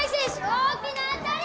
大きな当たり！